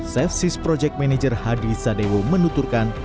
safesys project manager hadi sadewo menuturkan